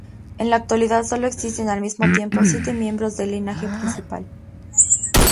En la actualidad solo existen al mismo tiempo siete miembros del linaje principal.